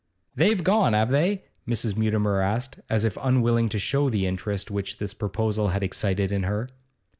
'They've gone, have they?' Mrs. Mutimer asked, as if unwilling to show the interest which this proposal had excited in her.